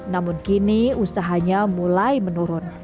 namun kini usahanya mulai menurun